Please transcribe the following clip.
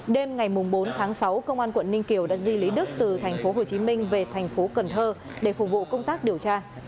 đêm ngày bốn tháng sáu công an quận ninh kiều đã di lý đức từ thành phố hồ chí minh về thành phố cần thơ để phục vụ công tác điều tra